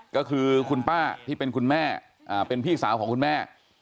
ก็คือคุณป้าที่เป็นคุณแม่เป็นพี่สาวของคุณแม่